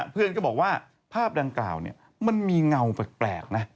เพื่อนก็บอกว่าภาพดังกล่าวมันมีเงาแปลกนะ